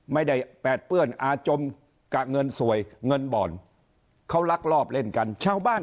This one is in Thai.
ไม่ได้แปดเปื้อนอาจมกะเงินสวยเงินบ่อนเขารักรอบเล่นกัน